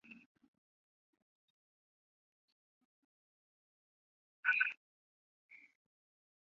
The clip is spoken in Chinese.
布莱顿玩具和模型博物馆是位于英国东萨塞克斯郡城市布莱顿的一座博物馆。